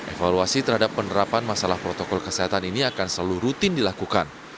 evaluasi terhadap penerapan masalah protokol kesehatan ini akan selalu rutin dilakukan